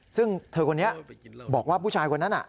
ซึ่งเธอคนนี้บอกว่าผู้ชายคนนั้น